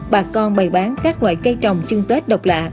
bà con bày bán các loại cây trồng chưng tết độc lạ